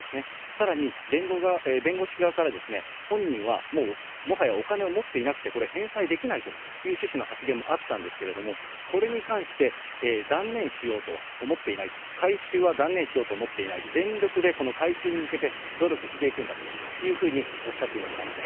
さらに、弁護士側から、本人はもうもはやお金を持っていなくて、これ、返済できないという趣旨の発言もあったんですけれども、これに関して、断念しようと思っていないと、回収は断念しようとは思っていない、全力でこの回収に向けて努力していくんだというふうにおっしゃっていました。